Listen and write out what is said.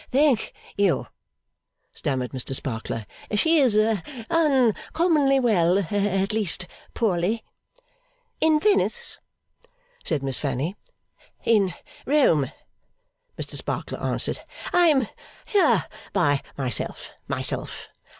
'Thank you,' stammered Mr Sparkler, 'she's uncommonly well at least, poorly.' 'In Venice?' said Miss Fanny. 'In Rome,' Mr Sparkler answered. 'I am here by myself, myself.